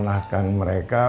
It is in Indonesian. untuk pergi ke rumah mereka